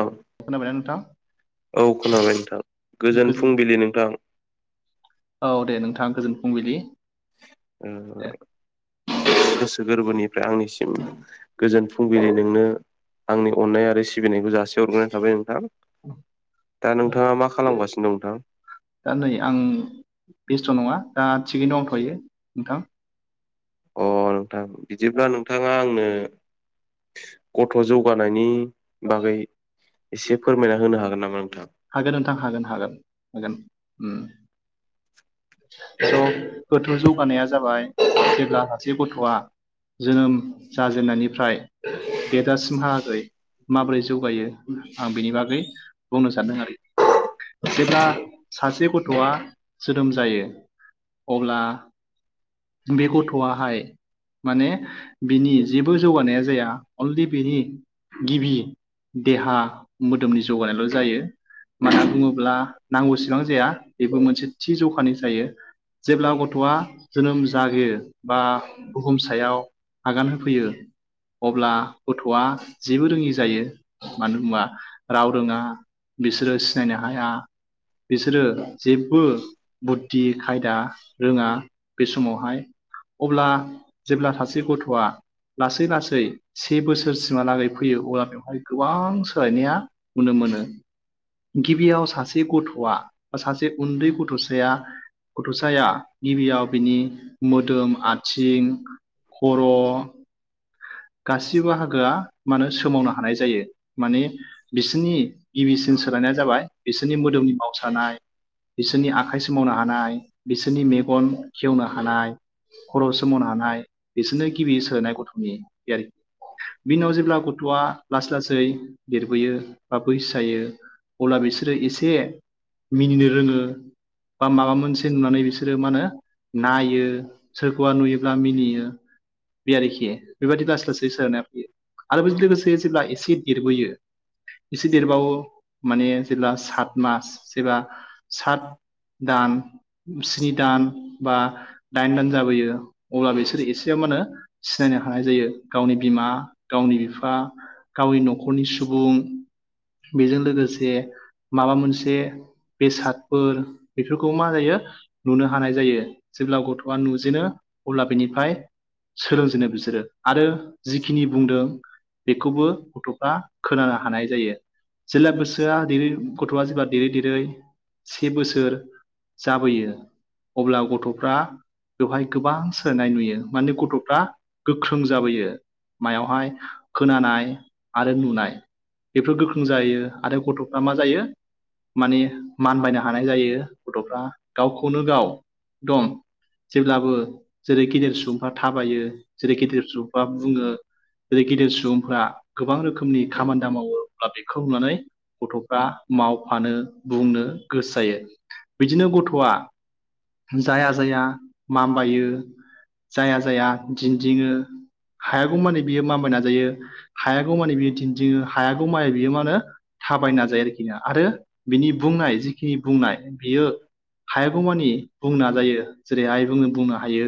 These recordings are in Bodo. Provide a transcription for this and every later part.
औ खोनाबायना नोंथां औ खोनाबाय नोंथां गोजोन फुंबिलि नोंथां। औ दे नोंथां गोजोन फुंबिलि। ओ दे गोसो गोरबोनिफ्राय आंनिसिम गोजोन फुं बिलि नोंनो आंनि अननाय आरो सिबिनायखौ जासि सिहरग्रोनाय थाबाय नोंथां दा नोंथाङा मा खालामगासिनो दं नोंथां? दा नै आं बेस्थ' नङा दा थिगैनो दंथ'यो नोंथां। अ नोंथां बिदिब्ला नोंथाङा आंनो गथ' जौगानायनि बागै एसे फोरमायना होनो हागोन नामा नोंथां? हागोन नोंथां हागोन हागोन हागोन उम। स' गथ' जौगानाया जाबाय जेब्ला सासे गथ'आ जोनोम जाजेननायनिफ्राय देरजासिमहालागै माबोरै जौगायो आं बेनि बागै बुंनो सानदों आरो। जेब्ला सासे गथ'आ जोनोम जायो अब्ला बे गथ'आहाय माने बिनि जेबो जौगानाया जाया अनलि बिनि गिबि देहा मोदोमनि जौगानायल' जायो। मा होनना बुङोब्ला नांगौसिबां जाया बेबो मोनसे थि जखानि जायो जेब्ला गथ' गथ' आ जोनोम जागेर बा बुहुम सायाव आगान होफैयो अब्ला गथ'आ जेबो रोङि जायो मानो होनबा राव रोङा बिसोरो सिनायनो हाया बिसोरो जेबबो बुद्धि खायदा रोङा बे समावहाय अब्ला जेब्ला सासे गथ'आ लासै लासै से बोसोरसिमहालागै फैयो अब्ला बेवहाय गोबां सोलायनाया नुनो मोनो। गिबियाव सासे गथ'आ बा सासे उन्दै गथ'साया गथ'साया गिबियाव बिनि मोदोम आ थिं खर' गासिबो बाहागोआ मानो सोमावनो हानाय जायो माने बिसोरनि गिबिसिन सोलायनाया जाबाय बिसोरनि मोदोमनि मावसानाय बिसोरनि आखाइ सोमावनो हानाय बिसोरनि मेगन खेवनो हानाय खर' सोमावनो हानाय बिसोरनो गिबि सोनाय गथ'नि आरोखि बिनि उनाव जेब्ला गथ'आ लासै लासै देरबोयो ओ बैसो जायो अब्ला एसे मिनिनो रोङो। बा माबा मोनसे नुनानै बिसोरो मा होनो नायो। सोरखौबा नुयोब्ला मिनियो बे आरोखि। बेबायदि लासै-लासै सोलाया फैयो आरो बेजों लोगोसे जेब्ला एसे देरबोयो एसे देरबावो माने जेब्ला सात मास जेब्ला सात दान, स्नि दान बा दाइन दान जाबोयो अब्ला बिसोरो एसेयाव मा होनो सिनायनो हानाय जायो गावनि बिमा गावनि बिफा गावनि न'खरनि सुबुं बेजों लोगोसे माबा मोनसे बेसादफोर बेफोरखौ मा जायो नुनो हानाय जायो जेब्ला गथ'आ नुजेनो अब्ला बेनिफ्राय सोलोंजेनो बि सोरो आरो जिखिनि बुंदों बेखौबो गथ'फ्रा खोनानो हानाय जायो। जेब्ला गोसोआ देरै गथ'आ जेब्ला देरै देरै से बोसोर जाबोयो अब्ला गथ' फ्रा बेवहाय गोबां सोलायनाय नुयो माने गथ'फ्रा गोख्रों जाबोयो मायावहाय खोनानाय आरो नुनाय बेफोर गोख्रों जायो आरो गथ'फ्रा मा जायो माने मानबायनो हानाय जायो गथ'फ्रा। गावखौनो गाव दं जेब्लाबो जेरै गेदेर सुबुंफ्रा थाबायो जेरै गेदिर सुबुंफ बुङो जेरै गेदिर सुबुंफ्रा गोबां रोखोमनि खामानि दामानि मावो अब्ला बेखौ नुनानै गथ'फ्रा मावफानो बुंनो गोसो जायो बिदिनो गथ'आ जाया-जाया माम बायो जाया-जाया दिन्दिङो हायागौ माने बियो माय नाजायो हायागौ मानि बियो दिन्थिङो हायागौ मानि बियो मा होनो थाबायनो नाजायो आरोना आरो बिनि बुंनाय जिखिनि बुंनाय बियो हायागौमानि बुंना जायो जेरैहाय बुङो बुंनो हायो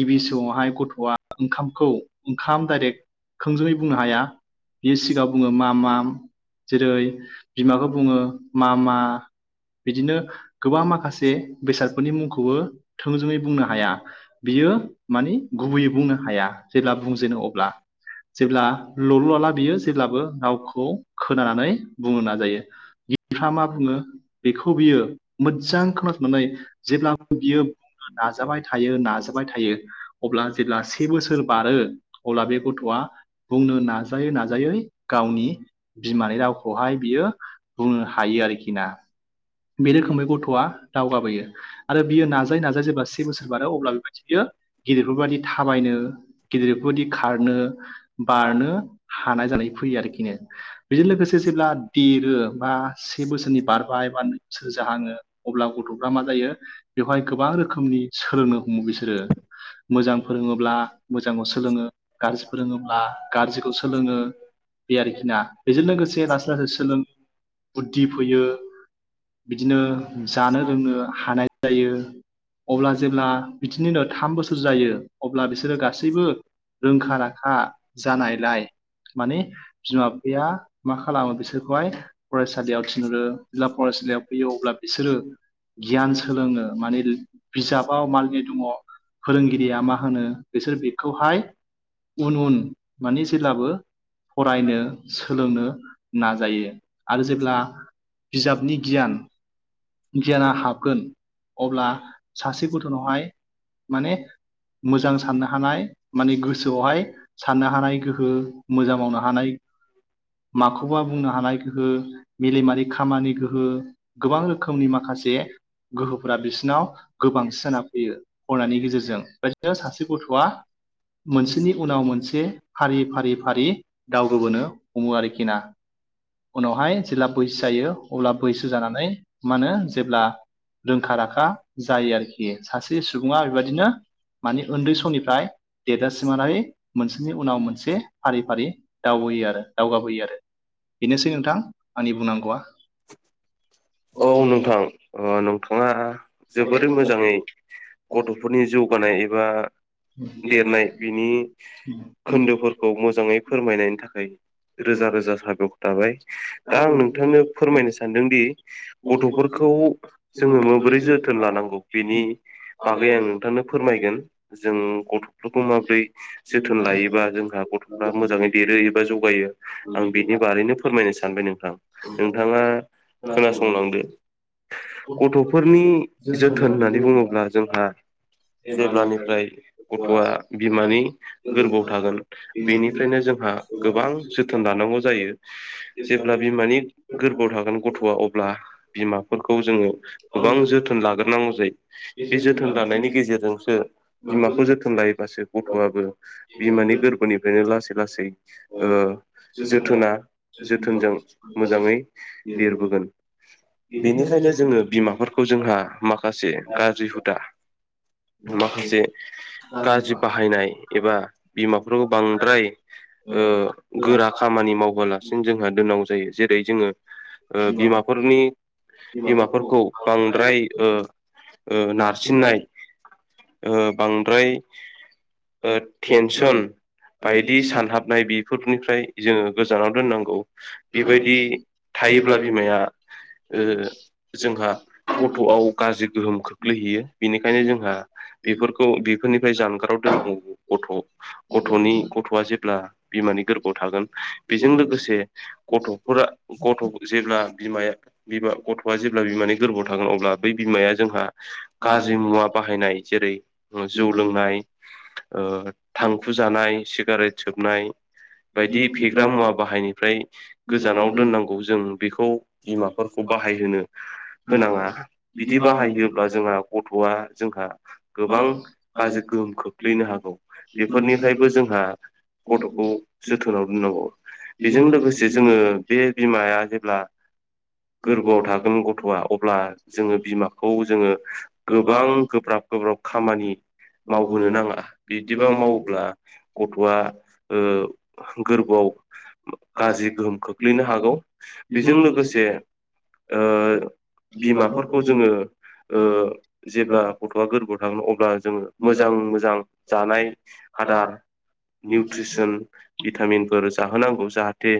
गिबि समावहाय गथ' आ ओंखामखौ ओंखाम डाइरेक्ट थोंजोङै बुंनो हाया बेनि सिगाङां बुङो माम- माम। जेरै बिमाखौ बुङो मा-मा। बिदिनो गोबां माखासे बेसादफोरनि मुंखौबो थोंजोङै बुंनो हाया। बियो मानि गुबैयै बुंनो हाया जेब्ला बुंजेनो अब्ला। जेब्ला लल' लाला बियो जेब्लाबो गावखौ खोनानानै बुंनो नाजायो। [inaudible] -फ्रा मा बुङो बेखौ बियो मोजां खोनासंनानै जेब्ला बियो बुंनो नाजाबाय थायो नाजाबाय थायो। अब्ला जेब्ला से बोसोर बारो अब्ला बे गथ'आ बुंनो नाजायै-नाजायै गावनि बिमानि रावखौहाय बियो बुंनो हा हायो आरोखि ना बे रोखोमै गथ'आ दावगाबोयो आरो बियो नाजायै-नाजायै जेब्ला से बोसोर बारो अब्ला बेबायदि बियो गिदिरफोरबादि थाबायनो गिदिरफोरबायदि खारनो, बारनो हानाय जानाय फैयो आरोखिनो। बेजों लोगोसे जेब्ला देरो बा से बोसोरनि बारबाय बा नै बोसोर जाहाङो। अब्ला गथ'फ्रा मा जायो बेवहाय गोबां रोखोमनि सोलोंनो हमो बिसोरो। मोजां फोरोङोब्ला मोजांखौ सोलोङो गाज्रि फोरोङोब्ला गाज्रिखौ सोलोङो। बे आरोखि ना बेजों लोगोसे लासै-लासै सोलों बुद्धि फैयो। बिदिनो जानो लोंनो हानाय जायो अब्ला जेब्ला बिदिनिनो - थाम बोसोर जायो अब्ला बिसोरो गासैबो रोंखा राखा जानायलाय। माने बिमा बिफाया। मा खालामो बिसोरखौहाय फरायसालियाव थिनहरो जेब्ला फरायसालियाव फैयो अब्ला बिसोरो। गियान सोलोङो माने बिजाबाव मालनि दङ। फोरोंगिरिया मा होनो बिसोर बेखौहाय उन उन माने जेब्लाबो। फरायनो सोलोंनो नाजायो आरो जेब्ला। बिजाबनि गियान। गियाना हाबगोन अब्ला सासे गथ'नावहाय माने। मोजां साननो हानाय माने गोसोआवहाय साननो हानाय गोहो मोजां मावनो हानाय माखौबा बुंनो हानाय गोहो मेलेमारि खामानि गोहो। -खोमनि माखासे गोहो फोर बिसोरनाव गोबांसि जाना फैयो फरायनायनि गेजेरजों बेदिनो सासे गथ'आ। मोनसेनि उनाव मोनसे फारि फारि हारि दावगबोनो हमो आरोखि ना। जेब्ला बैसो अब्ला बैसो जानानै मा होनो जेब्ला।। रोंखा राखा जायो आरोखि सासे सुबुङा बेबायदिनो। मानि उन्दै समनिफ्राय देरजासिमनानै मोनसेनि उनाव मोनसे फारि फारि। दावबोयो दावगाबोयो आरो बेनोसै नोंथां बुंनांगौआ। औ नोंथां नोंथाङा। जोबोरै मोजाङै गथ'फोरनि जौगानाय एबा। देरनाय बिनि खोन्दोफोरखौ मोजाङै फोरमायनायनि थाखाय। रोजा रोजा साबायखर थाबाय दा आं नोंथांनो फोरमायनो सानदोंदि। गथ'फोरखौ जोङो माबोरै जोथोन लानांगौ बेनि। बागै आं नोंथांनो फोरमायगोन जों गथ'फोरखौ माबोरै जोथोन लायोबा जोंहा गथ'। मोजाङै देरो एबा जगायो आं बिनि बारैनो। फोरमायनो सानबाय नोंथां नोंथाङा खोनासंलांदो। गथ'फोरनि जोथोन होननानै बुङोब्ला जोंहा। जेब्लानिफ्राय गथ'आ बिमानि गोरबोआव थागोन। बेनिफ्रायनो जोंहा गोबां जोथ। जोथोन लानांगौ जायो जेब्ला बिमानि गोरबोआव थागोन गथ'आ। अब्ला बिमाफोरखौ जोङो गोबां जोथोन लाग्रोनांगौ जायो। बे जोथोन लानायनि गेजेरजोंसो। बिमाखौ जोथोन लायोबासो गथ'आबो बिमानि गोरबोनिफ्रायनो लासै लासै। जोथोन जोथोनजों मोजाङै देरबोगोन। बेनिखायनो जोङो बिमाफोरखौ जोंहा माखासे गाज्रि हुदा। माखासे। गाज्रि बाहायनाय एबा बिमाफोरखौ बांद्राय। गोरा खामानि मावहोलासिनो जोंहा दनांगौ जायो जेरै जोङो। जिबा। फोरनि बिमाफोरखौ बांद्राय नारसिननाय। बांद्राय टेनसन। बायदि सानहाबनाय बेफोरनिफ्राय जोङो गोजानाव दोननांगौ। बेबायदि थायोब्ला बिमाया। जोंहा गथ'आव गाज्रि गोहोम खोख्लैहैयो बेनिखायनो जोंहा। बेफोरखौ बेफोरनिफ्राय जानगाराव दोननांगौ। गथ' गथ'नि गथ'आ जेब्ला बिमानि गोरबोआव थागोन। बेजों लोगोसे गथ'फोरा। गथ' जेब्ला बिमाया बिम गथ'आ जेब्ला बिमानि गोरबोआव थागोन अब्ला बै बिमाया जोंहा गाज्रि मुवा बाहायनाय जेरै जौ लोंनाय ओ थांखु जानाय सिगारेट रेट सोबनाय बायदि फेग्रा मुवा बाहायनिफ्राय गोजानाव दोननांगौ जों बेखौ फोरखौ बाहायहोनो होनाङा बिदि बाहायोयोब्ला जोंहा गथ'आ जोंहा गोबां गाज्रि गोहोम खोख्लैनो हागौ बेफोरनिफ्रायबो जोंहा गथ'खौ जोथोनाव दोननांगौ बेजों लोगोसे जोङो बे बिमाया जेब्ला गोरबोआव थागोन गथ'आ अब्ला जोङो बिमाखौ जोङो गोबां गोब्राब गोब्राब खामानि मावहोनो नाङा बिदिबा मावब्ला गथ'आ ओ गोरबोआव गाज्रि गोहोम खोख्लैनो हागौ बेजों लोगोस से ओ बिमाफोरखौ जोङो ओ जेब्ला गथ'आ गोरबोआव थाङो अब्ला जोङो मोजां मोजां जानाय आदार निउट्रिसोन भिटामिनफोर जाहोनांगौ। जाहाथे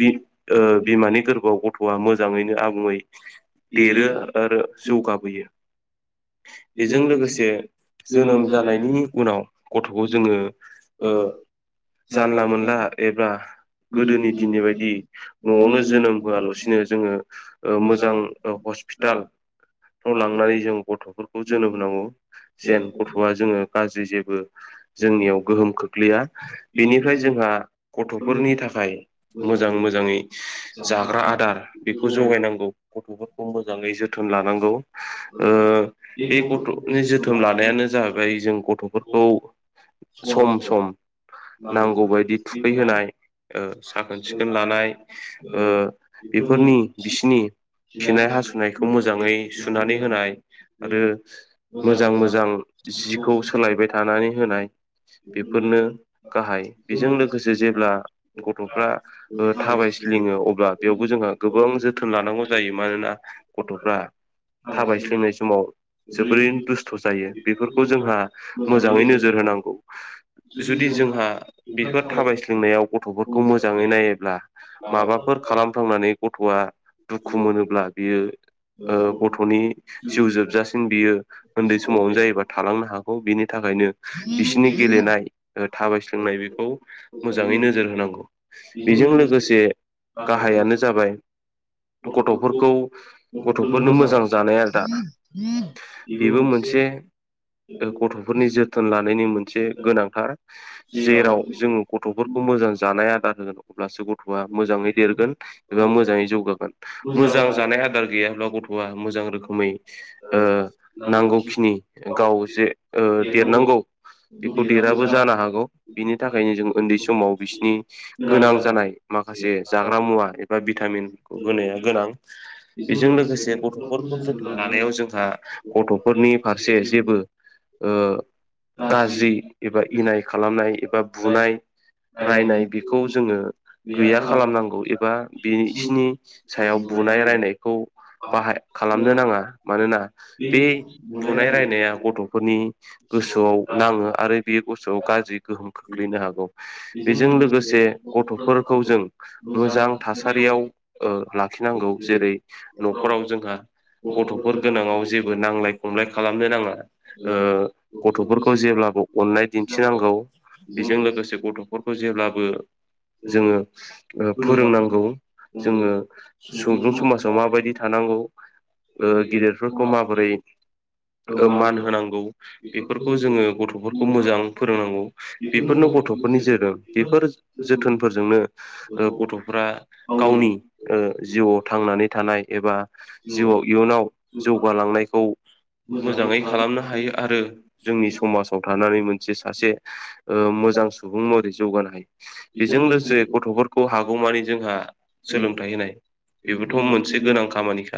बि ओ बिमानि गोरबोआव ग थ'आ मोजाङैनो आबुङै देरो आरो जौगाबोयो। बेजों लोगोसे जोनोम जानायनि उनाव गथ'खौ जोङो ओ जानला मोनला एबा गोदोनि दिननि बायदि न'आवनो जोनोम होआल'से [unintelligible] जोङो ओ मोजां ओ हस्पिटाल आव लांनानै जों गथ'फोर खौ जोनोम होनांगौ। जेन गथ'आ जोङो गाज्रि जेबो जोंनियाव गोहोम खोख्लैया। बेनिफ्राय जोंहा गथ'फोरनि थाखाय मोजां मोजाङै जाग्रा आदार बेखौ जगायनांगौ गथ'फोरखौ मोजाङै जोथोन लानांगौ। ओ बे गथ'नि जोथोन लानायानो जाहैबाय जों गथ'फोरखौ सम सम नांगौबायदि थुखैहोनाय ओ साखोन सिखोन लानाय ओ बेफोरनि बिसिनि खिनाय हासुनायखौ मोजाङै सुनानै होनाय आरो मोजां मोजां जिखौ सोलायबाय थानानै होनाय बेफोरनो गाहाय बेजों लोगोसे जेब्ला गथ'फ्रा ओ थाबाय सिलिङो अब्ला बेयाव बो जोंहा गोबां जोथोन लानांगौ जायो। मानोना गथ'फ्रा थाबायस्लिंनाय समाव जोबोरैनो दुस्थ' जायो। बेफोरखौ जोंहा मोजाङै नोजोर होनांगौ। जुदि जोंहा बेफोर थाबायसलिंनायाव गथ'फोरखौ मोजाङै नायोब्ला माबाफोर खालाम फ्लांनानै गथ'आ दुखु मोनोब्ला बियो ओ गथ'नि जिउ जोबजासिन बियो उन्दै समावनो जायोबा थालांनो हागौ बिनि थाखायनो बिसिनि गेलेनाय ओ थाबायस्लिंनाय बेखौ मोजाङै नोजोर होनांगौ। बेजों लोगोसे गाहायानो जाबाय गथ'फोरखौ गथ'फोरनो मोजां जानाया आलदा। बेबो मोनसे ओ गथ'फोरनि जोथोन लानायनि मोन से गोनांथार। जेराव जोङो गथ'फोरखौ मोजां जानाय आदार होनांगौ। अब्लासो गथ'आ मोजाङै देरगोन एबा मोजाङै जौगागोन। मोजां जा नाय आदार गैयाब्ला गथ'आ मोजां रोखोमै ओ नांगौखिनि गाव जे ओ देरनांगौ बेखौ देराबो जानो हागौ। बिनि थाखायनो जों ओन्दै समाव बिसिनि गोनां जानाय माखासे जाग्रा मुवा एबा भिटामिनखौ होनाया गोनां। बेजों लोगोसे गथ'फोरखौ जोथोन लानायाव जोंहा गथ'फोरनि फारसे जेबो ओ गाज्रि एबा इनाय खालामनाय एबा बुनाय रायनाय बेखौ जोङो गैया खालामनांगौ ए बा बेसिनि सायाव बुनाय रायनायखौ बाहाय खालामनो नाङा। मानोना बे बुनाय रायनाया गथ'फोरनि गोसोआव नाङो आरो बे गोसोआव गाज्रि गोहोम खोख्लैनो हागौ। बेजों लोगोसे गथ'फोरखौ जों मोजां थासारियाव ओ लाखिनांगौ जेरै न'खराव जोंहा गथ'फोर गोनाङाव जेबो नांलाय खमलाय खालामनो नाङा। ओ गथ'फोरखौ जेब्लाबो अननाय दिन्थिनांगौ बेजों लोगोसे गथ'फोरखौ जेब्लाबो जोङो ओ फोरोंनां गौ जोङो सुबुं समाजाव माबायदि थानांगौ ओ गेदिरफोरखौ माबोरै ओ मान होनांगौ बेफोरखौ जोङो गथ'फोरखौ मोजां फोरोंनांगौ। बेफोरनो गथ'फोरनि जेरै ओ बेफोर जोथोनफोरजोंनो ओ गथ'फ्रा गावनि ओ जिउआव थांनानै थानाय एबा जिउआव इयुनाव जौगालांनायखौ मोजाङै खालामनो हायो आरो जोंनि समाजाव थानानै मोनसे सासे ओ मोजां सुबुं महरै जौगानो हायो। बेजों लोगोसे गथ'फोरखौ हागौमानि जोंहा सोलोंथाइ होनाय बेबोथ' मोनसे गोनां खामानिखा।